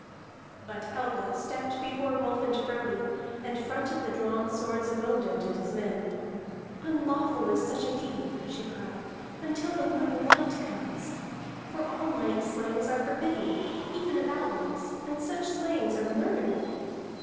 But Helga stepped before Rolf and Frodi, and fronted the drawn swords of Ondott and his men. "Unlawful is such a deed," she cried, "until the morning light comes. For all night slayings are forbidden, even of outlaws, and such slayings are murder."